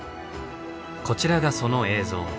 こちらがその映像。